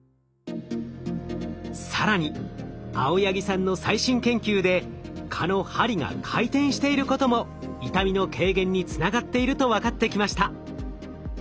更に青柳さんの最新研究で蚊の針が回転していることも痛みの軽減につながっていると分かってきました。